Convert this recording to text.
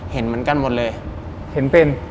เห็นเหมือนกันหมดเลย